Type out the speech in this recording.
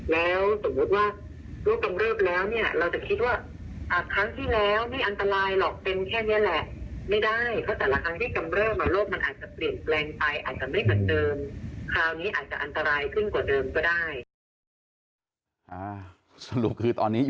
แล้วสมมุติว่าโรคกำเริบแล้วเนี่ย